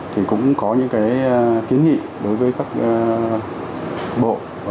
thì cũng có những cái kiến nghị đối với các bộ